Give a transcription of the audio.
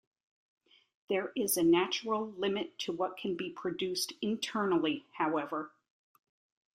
There is a natural limit to what can be produced internally, however.